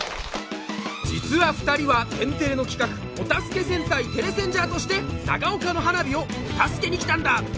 実は２人は「天てれ」の企画「おたすけ戦隊テレセンジャー」として長岡の花火をお助けに来たんだ。